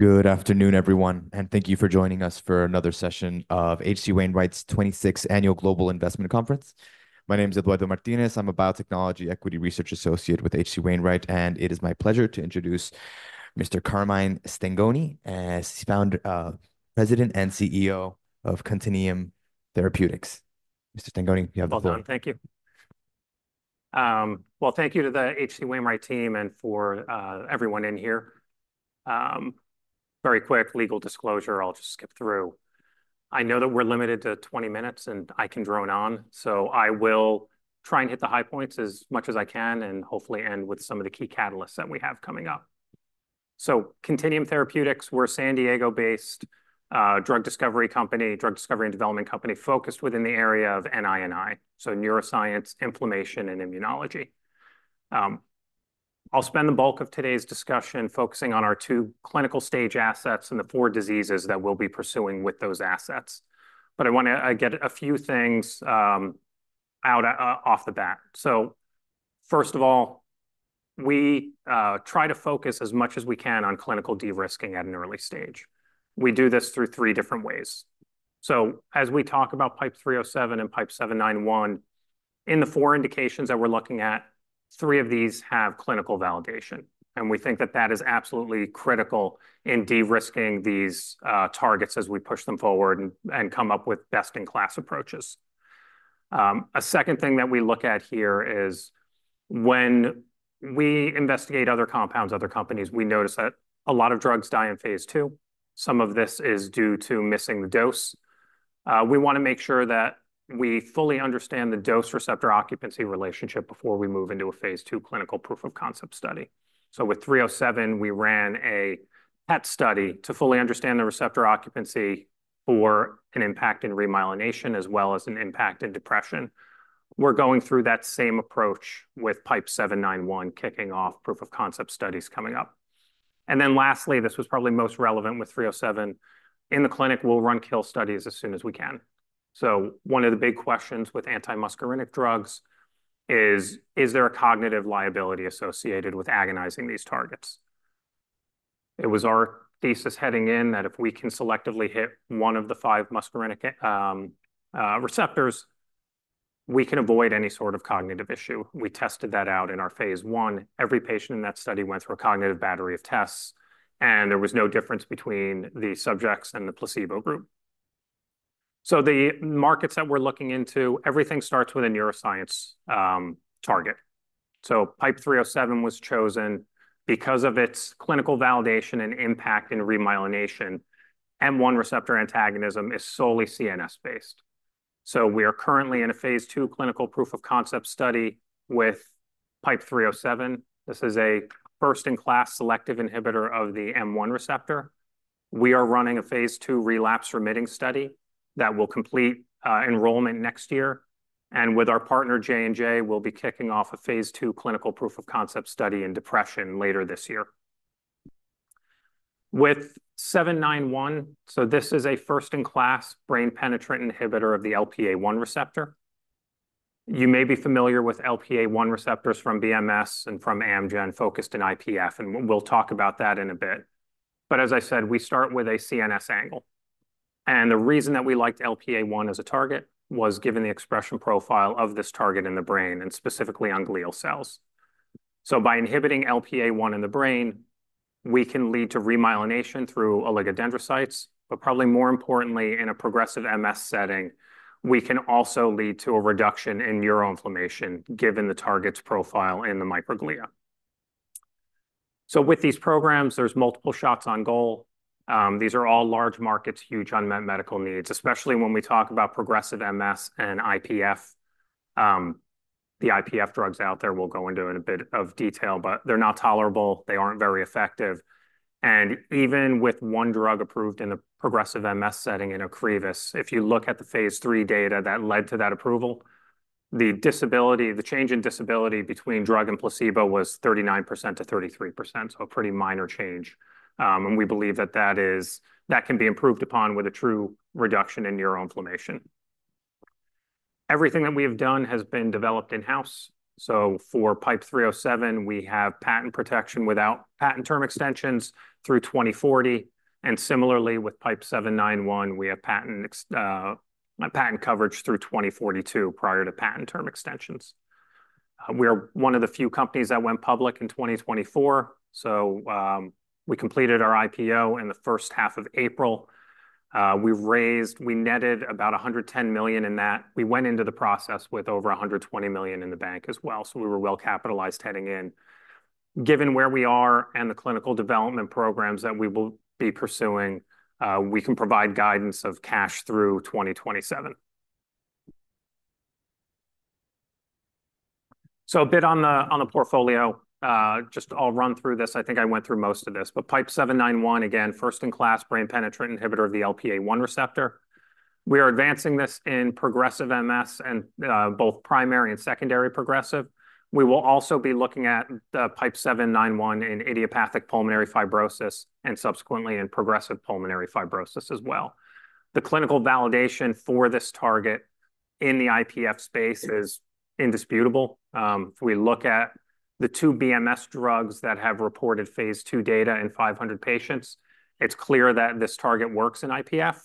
Good afternoon, everyone, and thank you for joining us for another session of H.C. Wainwright's 26th Annual Global Investment Conference. My name is Eduardo Martinez. I'm a Biotechnology Equity Research Associate with H.C. Wainwright, and it is my pleasure to introduce Mr. Carmine Stengone as Founder, president, and CEO of Contineum Therapeutics. Mr. Stengone, you have the floor. Well done. Thank you. Well, thank you to the H.C. Wainwright team and for everyone in here. Very quick legal disclosure. I'll just skip through. I know that we're limited to 20 minutes, and I can drone on, so I will try and hit the high points as much as I can and hopefully end with some of the key catalysts that we have coming up. So Contineum Therapeutics, we're a San Diego-based drug discovery company, drug discovery and development company, focused withinthe area of NI&I, so neuroscience, inflammation, and immunology. I'll spend the bulk of today's discussion focusing on our two clinical stage assets and the 4 diseases that we'll be pursuing with those assets. But I wanna get a few things out off the bat. So first of all, we try to focus as much as we can on clinical de-risking at an early stage. We do this through three different ways. So as we talk about PIPE-307 and PIPE-791, in the four indications that we're looking at, three of these have clinical validation, and we think that that is absolutely critical in de-risking these targets as we push them forward and come up with best-in-class approaches. A second thing that we look at here is when we investigate other compounds, other companies, we notice that a lot of drugs die in phase II. Some of this is due to missing the dose. We wanna make sure that we fully understand the dose-receptor occupancy relationship before we move into a phase II clinical proof of concept study. So with 307, we ran a PET study to fully understand the receptor occupancy for an impact in remyelination, as well as an impact in depression. We're going through that same approach with PIPE-791, kicking off proof of concept studies coming up. And then lastly, this was probably most relevant with 307. In the clinic, we'll run kill studies as soon as we can. So one of the big questions with antimuscarinic drugs is: Is there a cognitive liability associated with antagonizing these targets? It was our thesis heading in that if we can selectively hit one of the five muscarinic receptors, we can avoid any sort of cognitive issue. We tested that out in our phase I. Every patient in that study went through a cognitive battery of tests, and there was no difference between the subjects and the placebo group. The markets that we're looking into, everything starts with a neuroscience target. PIPE-307 was chosen because of its clinical validation and impact in remyelination. M1 receptor antagonism is solely CNS-based. We are currently in a phase II clinical proof of concept study with PIPE-307. This is a first-in-class selective inhibitor of the M1 receptor. We are running a phase II relapsing-remitting study that will complete enrollment next year, and with our partner, J&J, we'll be kicking off a phase II clinical proof of concept study in depression later this year. With 791, this is a first-in-class brain-penetrant inhibitor of the LPA1 receptor. You may be familiar with LPA1 receptors from BMS and from Amgen, focused in IPF, and we'll talk about that in a bit. But as I said, we start with a CNS angle, and the reason that we liked LPA1 as a target was given the expression profile of this target in the brain and specifically on glial cells. So by inhibiting LPA1 in the brain, we can lead to remyelination through oligodendrocytes, but probably more importantly, in a progressive MS setting, we can also lead to a reduction in neuroinflammation, given the target's profile in the microglia. So with these programs, there's multiple shots on goal. These are all large markets, huge unmet medical needs, especially when we talk about progressive MS and IPF. The IPF drugs out there, we'll go into in a bit of detail, but they're not tolerable. They aren't very effective. Even with one drug approved in a progressive MS setting in Ocrevus, if you look at the phase III data that led to that approval, the disability, the change in disability between drug and placebo was 39%-33%, so a pretty minor change. And we believe that that is. That can be improved upon with a true reduction in neuroinflammation. Everything that we have done has been developed in-house. So for PIPE-307, we have patent protection without patent term extensions through 2040, and similarly with PIPE-791, we have patent coverage through 2042 prior to patent term extensions. We are one of the few companies that went public in 2024, so, we completed our IPO in the first half of April. We've raised. We netted about $110 million in that. We went into the process with over $120 million in the bank as well, so we were well-capitalized heading in. Given where we are and the clinical development programs that we will be pursuing, we can provide guidance of cash through 2027. So a bit on the portfolio. Just I'll run through this. I think I went through most of this, but PIPE-791, again, first-in-class brain-penetrant inhibitor of the LPA1 receptor. We are advancing this in progressive MS and both primary and secondary progressive. We will also be looking at the PIPE-791 in idiopathic pulmonary fibrosis and subsequently in progressive pulmonary fibrosis as well. The clinical validation for this target in the IPF space is indisputable. If we look at the two BMS drugs that have reported phase II data in 500 patients, it's clear that this target works in IPF.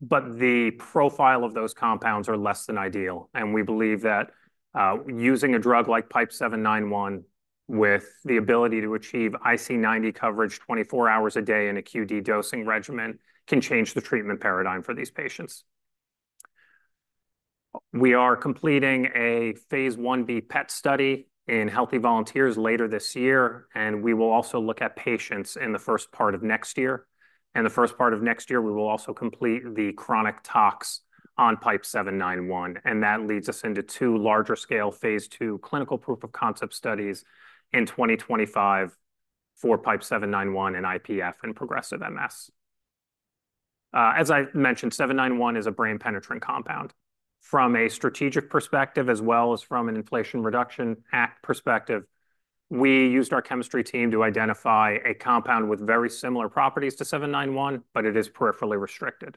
But the profile of those compounds are less than ideal, and we believe that, using a drug like PIPE-791, with the ability to achieve EC90 coverage 24 hours a day in a QD dosing regimen, can change the treatment paradigm for these patients. We are completing a phase 1b PET study in healthy volunteers later this year, and we will also look at patients in the first part of next year. In the first part of next year, we will also complete the chronic tox on PIPE-791, and that leads us into two larger scale phase II clinical proof of concept studies in 2025 for PIPE-791 in IPF and progressive MS. As I mentioned, 791 is a brain-penetrant compound. From a strategic perspective, as well as from an Inflation Reduction Act perspective, we used our chemistry team to identify a compound with very similar properties to 791, but it is peripherally restricted.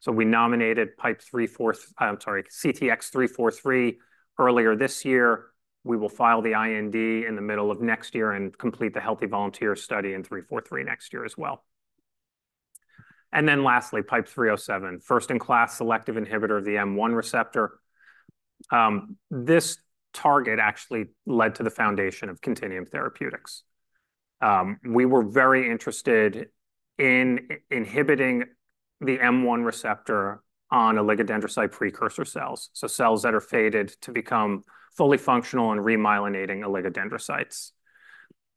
So we nominated PIPE-343. I'm sorry, CTX-343, earlier this year. We will file the IND in the middle of next year and complete the healthy volunteer study in CTX-343 next year as well. Then lastly, PIPE-307, first-in-class selective inhibitor of the M1 receptor. This target actually led to the foundation of Contineum Therapeutics. We were very interested in inhibiting the M1 receptor on oligodendrocyte precursor cells, so cells that are fated to become fully functional and remyelinating oligodendrocytes.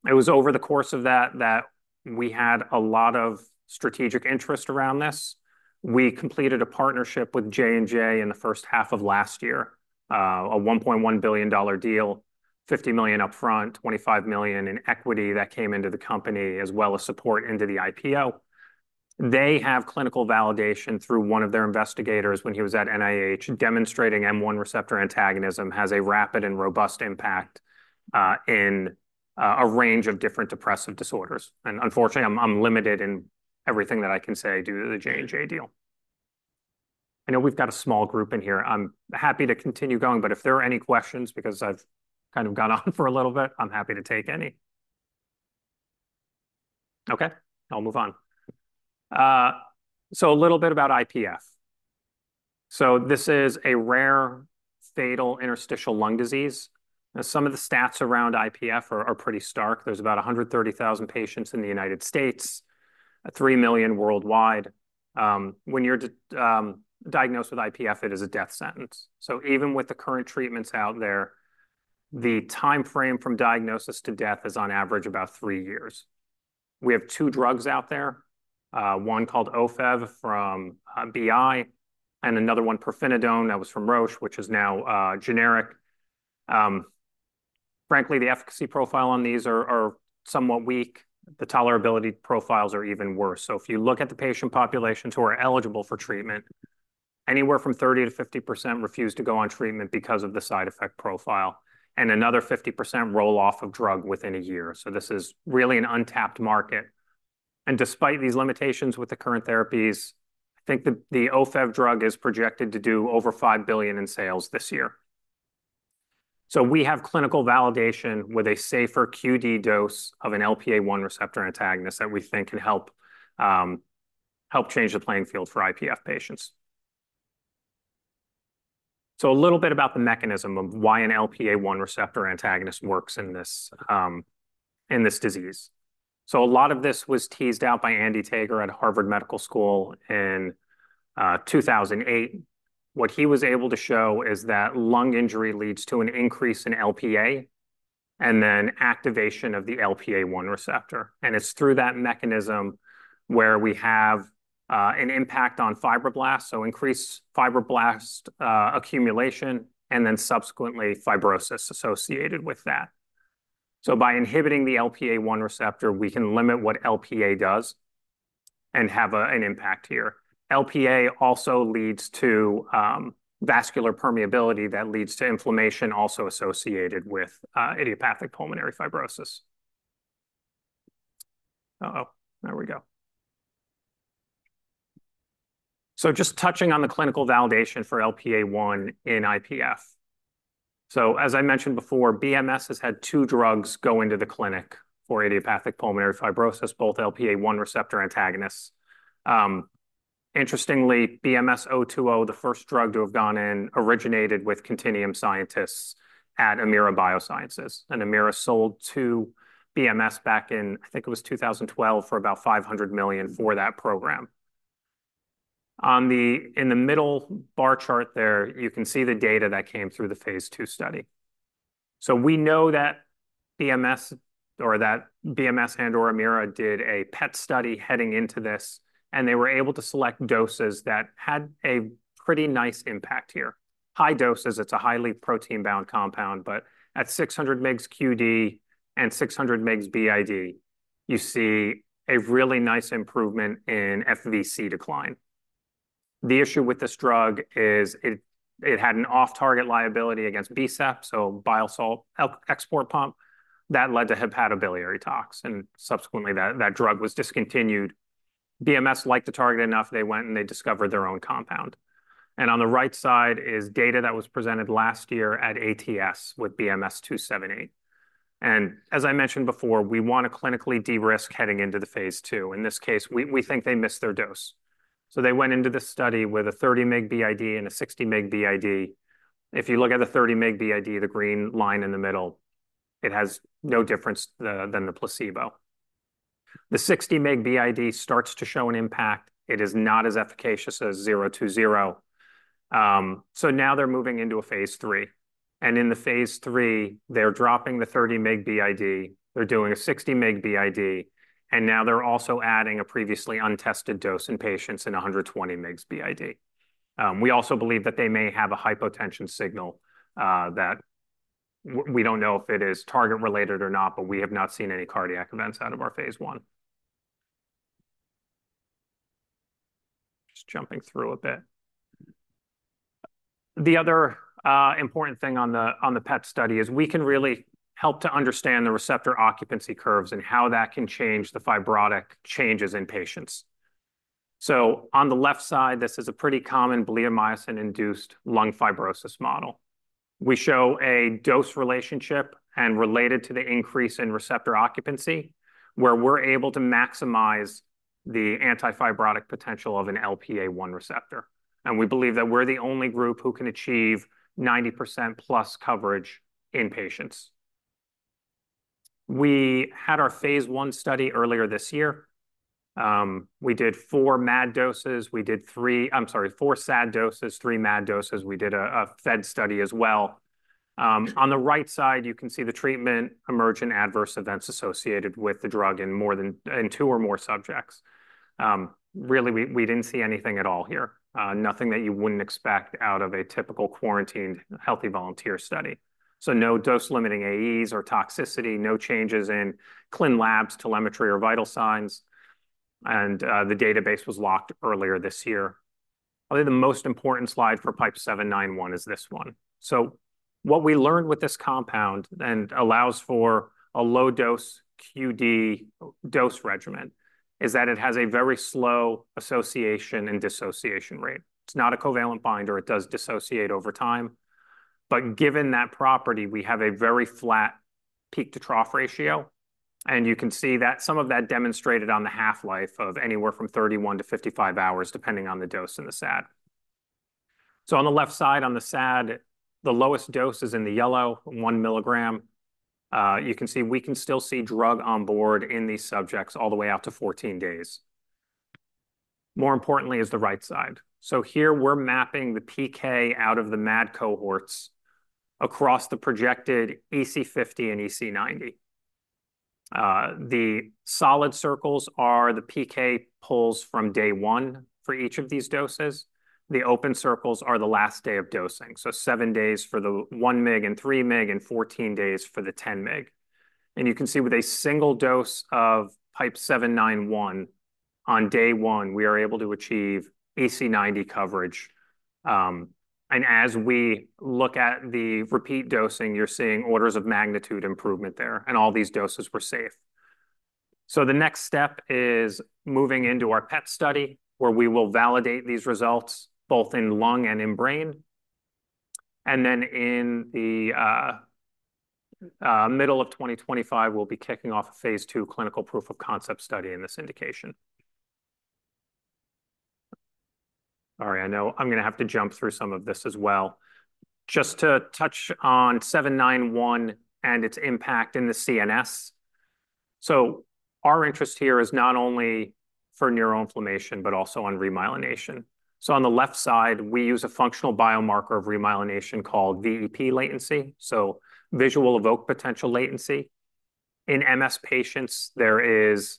It was over the course of that, that we had a lot of strategic interest around this. We completed a partnership with J&J in the first half of last year, a $1.1 billion deal, $50 million upfront, $25 million in equity that came into the company, as well as support into the IPO. They have clinical validation through one of their investigators when he was at NIH, demonstrating M1 receptor antagonism has a rapid and robust impact in a range of different depressive disorders. And unfortunately, I'm limited in everything that I can say due to the J&J deal. I know we've got a small group in here. I'm happy to continue going, but if there are any questions, because I've kind of gone on for a little bit, I'm happy to take any. Okay, I'll move on. A little bit about IPF. This is a rare, fatal interstitial lung disease. Now, some of the stats around IPF are pretty stark. There's about 130,000 patients in the United States, 3 million worldwide. When you're diagnosed with IPF, it is a death sentence. Even with the current treatments out there, the time frame from diagnosis to death is on average about three years. We have two drugs out there, one called OFEV from BI, and another one, pirfenidone, that was from Roche, which is now generic. Frankly, the efficacy profile on these is somewhat weak. The tolerability profiles are even worse. So if you look at the patient populations who are eligible for treatment, anywhere from 30%-50% refuse to go on treatment because of the side effect profile, and another 50% roll off of drug within a year. So this is really an untapped market. And despite these limitations with the current therapies, I think the OFEV drug is projected to do over $5 billion in sales this year. So we have clinical validation with a safer QD dose of an LPA1 receptor antagonist that we think can help change the playing field for IPF patients. So a little bit about the mechanism of why an LPA1 receptor antagonist works in this disease. So a lot of this was teased out by Andy Tager at Harvard Medical School in two thousand and eight. What he was able to show is that lung injury leads to an increase in LPA and then activation of the LPA1 receptor. And it's through that mechanism where we have an impact on fibroblasts, so increased fibroblast accumulation, and then subsequently fibrosis associated with that. So by inhibiting the LPA1 receptor, we can limit what LPA does and have an impact here. LPA also leads to vascular permeability that leads to inflammation also associated with idiopathic pulmonary fibrosis. So just touching on the clinical validation for LPA1 in IPF. So as I mentioned before, BMS has had two drugs go into the clinic for idiopathic pulmonary fibrosis, both LPA1 receptor antagonists. Interestingly, BMS-020, the first drug to have gone in, originated with Contineum scientists at Amira Biosciences, and Amira sold to BMS back in, I think it was 2012, for about $500 million for that program. On the in the middle bar chart there, you can see the data that came through the phase II study. So we know that BMS, or that BMS and/or Amira did a PET study heading into this, and they were able to select doses that had a pretty nice impact here. High doses, it's a highly protein-bound compound, but at 600 mg QD and 600 mg BID, you see a really nice improvement in FVC decline. The issue with this drug is it-... It had an off-target liability against BSEP, so bile salt export pump, that led to hepatobiliary tox, and subsequently, that drug was discontinued. BMS liked the target enough, they went and they discovered their own compound. And on the right side is data that was presented last year at ATS with BMS-278. And as I mentioned before, we want to clinically de-risk heading into the phase II. In this case, we think they missed their dose. So they went into this study with a 30 mg BID and a 60 mg BID. If you look at the 30 mg BID, the green line in the middle, it has no difference than the placebo. The 60 mg BID starts to show an impact. It is not as efficacious as zero two zero. So now they're moving into a phase III, and in the phase III, they're dropping the 30 mg BID, they're doing a 60 mg BID, and now they're also adding a previously untested dose in patients in 120 mg BID. We also believe that they may have a hypotension signal that we don't know if it is target related or not, but we have not seen any cardiac events out of our phase I. Just jumping through a bit. The other important thing on the PET study is we can really help to understand the receptor occupancy curves and how that can change the fibrotic changes in patients. So on the left side, this is a pretty common bleomycin-induced lung fibrosis model. We show a dose relationship related to the increase in receptor occupancy, where we're able to maximize the anti-fibrotic potential of an LPA1 receptor. We believe that we're the only group who can achieve 90%+ coverage in patients. We had our phase I study earlier this year. We did four MAD doses. We did three. I'm sorry, four SAD doses, three MAD doses. We did a fed study as well. On the right side, you can see the treatment-emergent adverse events associated with the drug in more than two or more subjects. Really, we didn't see anything at all here, nothing that you wouldn't expect out of a typical quarantined healthy volunteer study. No dose-limiting AEs or toxicity, no changes in clin labs, telemetry, or vital signs. The database was locked earlier this year. I think the most important slide for PIPE-791 is this one. So what we learned with this compound, and allows for a low-dose QD dose regimen, is that it has a very slow association and dissociation rate. It's not a covalent binder. It does dissociate over time. But given that property, we have a very flat peak-to-trough ratio, and you can see that some of that demonstrated on the half-life of anywhere from 31-55 hours, depending on the dose and the SAD. So on the left side, on the SAD, the lowest dose is in the yellow, one milligram. You can see, we can still see drug on board in these subjects all the way out to 14 days. More importantly is the right side. So here we're mapping the PK out of the MAD cohorts across the projected EC50 and EC90. The solid circles are the PK profiles from day one for each of these doses. The open circles are the last day of dosing, so seven days for the 1 mg and 3 mg and 14 days for the 10 mg. And you can see with a single dose of PIPE-791, on day one, we are able to achieve EC90 coverage. And as we look at the repeat dosing, you're seeing orders of magnitude improvement there, and all these doses were safe. So the next step is moving into our PET study, where we will validate these results both in lung and in brain. And then in the middle of 2025, we'll be kicking off a phase II clinical proof of concept study in this indication. Sorry, I know I'm going to have to jump through some of this as well. Just to touch on 791 and its impact in the CNS. Our interest here is not only for neuroinflammation, but also on remyelination. On the left side, we use a functional biomarker of remyelination called VEP latency, so visual evoked potential latency. In MS patients, there is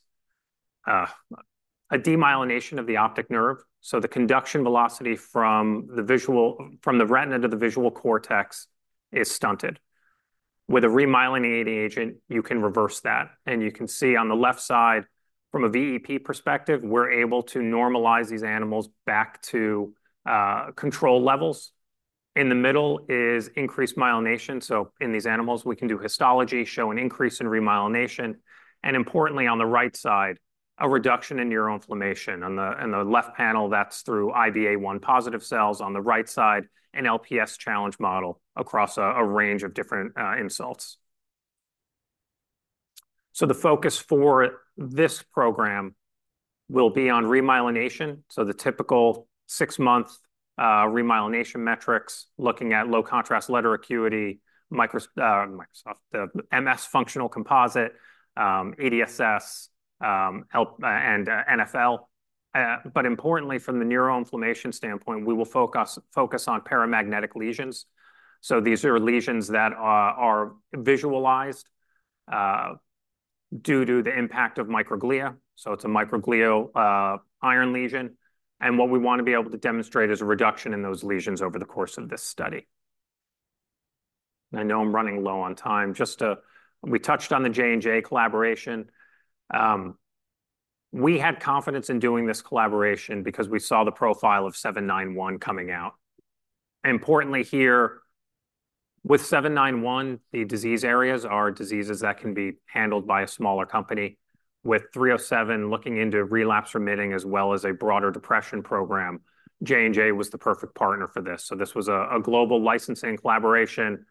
a demyelination of the optic nerve, so the conduction velocity from the retina to the visual cortex is stunted. With a remyelinating agent, you can reverse that, and you can see on the left side, from a VEP perspective, we're able to normalize these animals back to control levels. In the middle is increased myelination. In these animals, we can do histology, show an increase in remyelination, and importantly, on the right side, a reduction in neuroinflammation. In the left panel, that's through Iba-1 positive cells. On the right side, an LPS challenge model across a range of different insults. So the focus for this program will be on remyelination, so the typical six-month remyelination metrics, looking at low contrast letter acuity, MSFC, the MS functional composite, EDSS, and NfL. But importantly, from the neuroinflammation standpoint, we will focus on paramagnetic lesions. So these are lesions that are visualized due to the impact of microglia. So it's a microglial iron lesion, and what we want to be able to demonstrate is a reduction in those lesions over the course of this study. I know I'm running low on time. Just to... We touched on the J&J collaboration. We had confidence in doing this collaboration because we saw the profile of seven nine one coming out. Importantly here, with 791, the disease areas are diseases that can be handled by a smaller company. With 307, looking into relapsing-remitting as well as a broader depression program, J&J was the perfect partner for this. So this was a global licensing collaboration,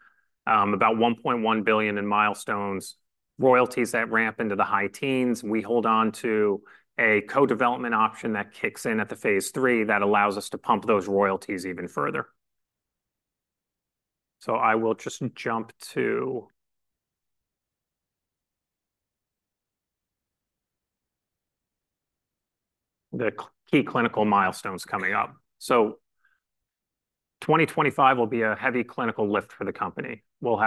about $1.1 billion in milestones, royalties that ramp into the high teens. We hold on to a co-development option that kicks in at the phase III that allows us to pump those royalties even further. So I will just jump to... The key clinical milestones coming up. So 2025 will be a heavy clinical lift for the company. We'll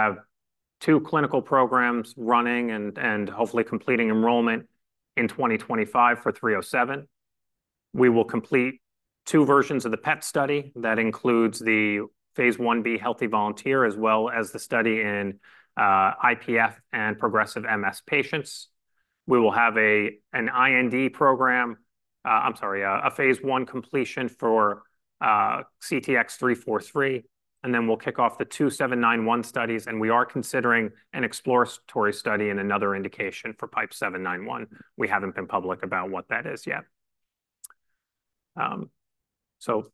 have two clinical programs running and hopefully completing enrollment in 2025 for 307. We will complete two versions of the PET study. That includes the phase 1b healthy volunteer, as well as the study in IPF and progressive MS patients. We will have a phase I completion for CTX-343, and then we'll kick off the two 791 studies, and we are considering an exploratory study and another indication for PIPE-791. We haven't been public about what that is yet. So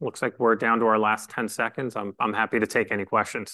looks like we're down to our last 10 seconds. I'm happy to take any questions.